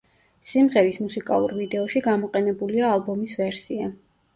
სიმღერის მუსიკალურ ვიდეოში გამოყენებულია ალბომის ვერსია.